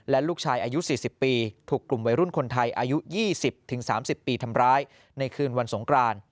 และลูกชายอายุ๔๐ปีถูกกลุ่มวัยรุ่นคนไทยอายุ๒๐๓๐ปีทำร้ายในคืนวันสงคราน